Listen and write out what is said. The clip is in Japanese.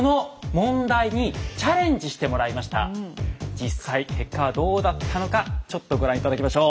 実際結果はどうだったのかちょっとご覧頂きましょう。